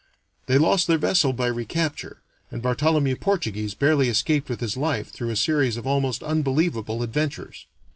They lost their vessel by recapture, and Bartholomew Portuguese barely escaped with his life through a series of almost unbelievable adventures.